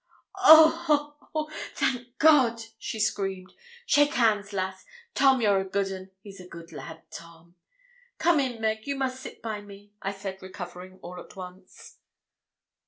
'Oh! ho! ho! thank God!' she screamed. 'Shake hands, lass. Tom, yer a good un! He's a good lad, Tom.' 'Come in, Meg you must sit by me,' I said, recovering all at once.